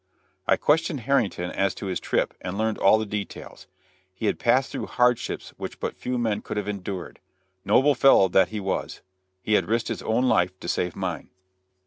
I questioned Harrington as to his trip, and learned all the details. He had passed through hardships which but few men could have endured. Noble fellow, that he was. He had risked his own life to save mine.